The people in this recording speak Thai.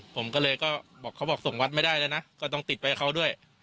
ผมก็เลยก็บอกเขาบอกส่งวัดไม่ได้แล้วนะก็ต้องติดไปกับเขาด้วย